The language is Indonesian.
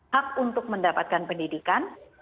hak untuk mendapatkan pendidikan